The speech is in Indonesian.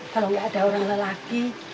kalau nggak ada orang lelaki